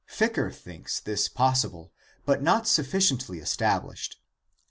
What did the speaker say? Ficker thinks this possible, but not sufficiently es tablished.